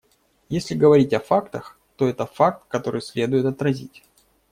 Если говорить о фактах, то это факт, который следует отразить.